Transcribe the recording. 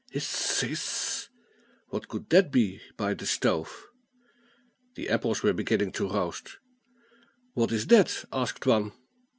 "Hiss s s, hiss s s." What could that be by the stove? The apples were beginning to roast. "What is that?" asked one.